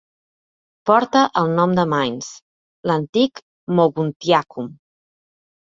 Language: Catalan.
Porta el nom de Mainz, l'antic "Moguntiacum".